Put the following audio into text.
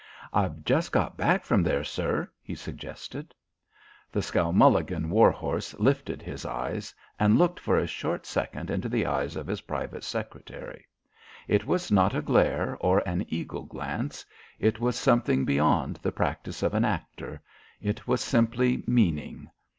"I've just got back from there, sir," he suggested. The Skowmulligan war horse lifted his eyes and looked for a short second into the eyes of his private secretary. It was not a glare or an eagle glance; it was something beyond the practice of an actor; it was simply meaning.